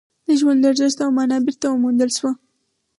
د ژوند ارزښت او مانا بېرته وموندل شوه